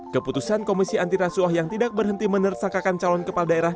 keputusan komisi antirasuah yang tidak berhenti menersakakan calon kepala daerah